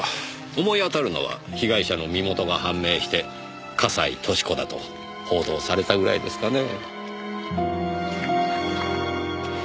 思い当たるのは被害者の身元が判明して笠井俊子だと報道されたぐらいですかねえ。